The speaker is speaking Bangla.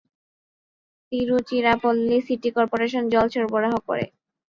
তিরুচিরাপল্লী সিটি কর্পোরেশন জল সরবরাহ করে।